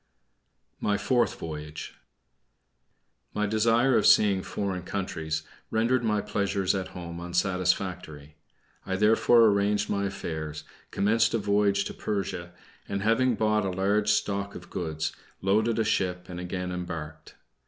MY FOURTH VOYAGE My desire of seeing foreign countries rendered my pleasures at home unsatisfactory. I therefore arranged my affairs, commenced a voyage to Persia, and having bought a large stock of goods loaded a ship and again embarked.